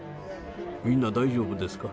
みんな大丈夫ですか？